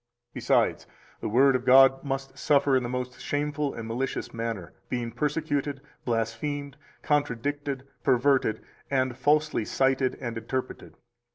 Besides, the Word of God must suffer in the most shameful and malicious manner, being persecuted, blasphemed, contradicted, perverted, and falsely cited and interpreted.